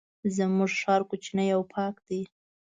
زمونږ ښار کوچنی او پاک دی.